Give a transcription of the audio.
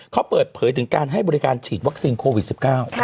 เขาเปิดเผยถึงการให้บริการฉีดวัคซีนโควิด๑๙